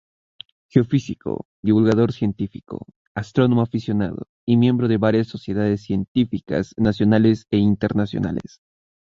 Geofísico, divulgador científico, astrónomo aficionado y miembro de varias sociedades científicas nacionales e internacionales.